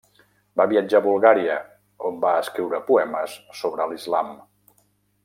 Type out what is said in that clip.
Va viatjar a Bulgària on va escriure poemes sobre l'islam.